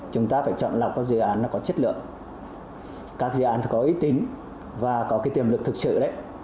chúng ta phải chọn lọc các dự án có chất lượng các dự án có ý tính và có tiềm lực thực sự đấy